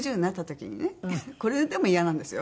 これでもイヤなんですよ？